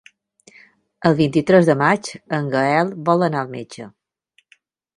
El vint-i-tres de maig en Gaël vol anar al metge.